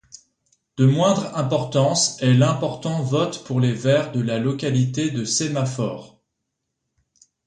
De moindre importance est l'important vote pour les Verts de la localité de Sémaphore.